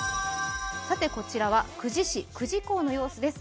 こちらは久慈市・久慈港の様子です。